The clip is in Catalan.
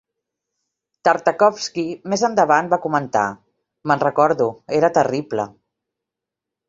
Tartakovsky més endavant va comentar: Me'n recordo, era terrible.